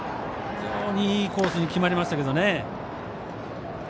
非常にいいコースに決まりましたけどね。